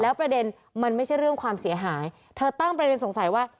ประเด็นมันไม่ใช่เรื่องความเสียหายเธอตั้งประเด็นสงสัยว่า